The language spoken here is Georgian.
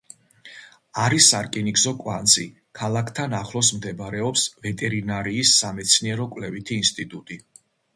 არის სარკინიგზო კვანძი, ქალაქთან ახლოს მდებარეობს ვეტერინარიის სამეცნიერო-კვლევითი ინსტიტუტი.